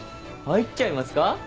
入っちゃいますか？